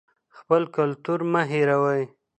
خپل کلتور مه هېروئ.